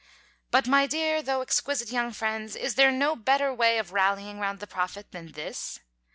But, my dear though exquisite young friends, is there no better way of rallying round the Prophet than this?